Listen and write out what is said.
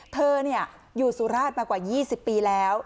เธออยู่สุราชมากว่า๒๐ปีแล้ว